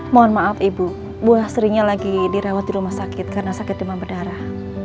mohon maaf ibu buah srinya lagi dirawat di rumah sakit karena sakit demam berdarah